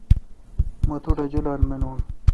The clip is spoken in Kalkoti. مہ توٹھ اؘ جولال مانون۔